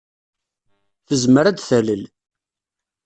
Tezmer ad d-talel.